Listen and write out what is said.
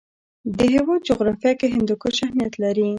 د هېواد جغرافیه کې هندوکش اهمیت لري.